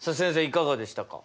いかがでしたか。